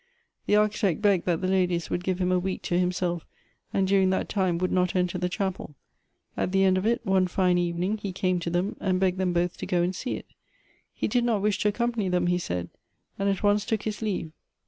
The Architect bogged that the ladies would give him a week to himself, and during that time would not enter the chapel ; at the end of it, one fine evening, he came to them, and begged them both to go and see it. He did not wish to accompany them, he said, and at once took his leave.